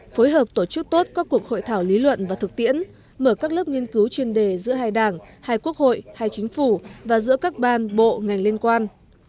phối hợp tổ chức tốt các cuộc hội thảo lý luận và thực tiễn mở các lớp nghiên cứu chuyên đề giữa hai đảng hai quốc hội hai chính phủ và giữa các ban bộ ngành liên quan